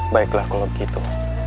baiklah kalau begitu